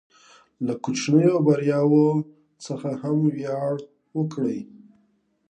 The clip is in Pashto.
له کوچنیو بریاوو څخه هم ویاړ وکړئ.